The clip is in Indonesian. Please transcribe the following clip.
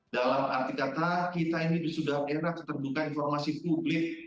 dalam arti kata kita ini sudah era keterbuka informasi publik